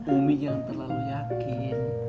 umi jangan terlalu yakin